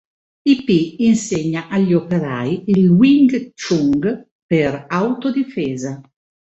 Ip insegna agli operai il Wing Chun per autodifesa.